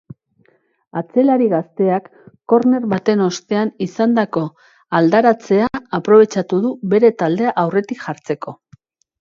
Atzelari gazteak korner baten ostean izandako aldaratzea aprobetxatu du bere taldea aurretik jartzeko.